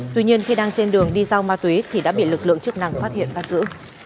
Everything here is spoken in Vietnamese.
tuy nhiên khi đang trên đường đi giao ma túy thì đã bị lực lượng chức năng phát hiện bắt giữ